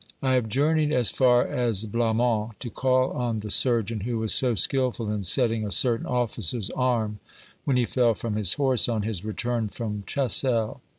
I have journeyed as far as Blammont to call on the surgeon who was so skilful in setting a certain officer's arm when he fell from his horse on his return from Chessel.